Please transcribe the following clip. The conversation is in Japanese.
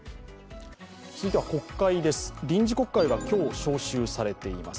続いては国会です、臨時国会が今日召集されています。